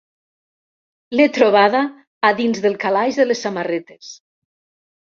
L'he trobada a dins del calaix de les samarretes.